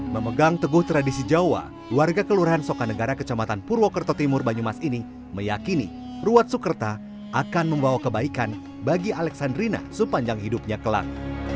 memegang teguh tradisi jawa warga kelurahan sokanegara kecamatan purwokerto timur banyumas ini meyakini ruat soekerta akan membawa kebaikan bagi aleksandrina sepanjang hidupnya ke lang